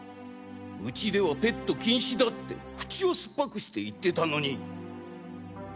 うちではペット禁止だって口をすっぱくして言ってたのに。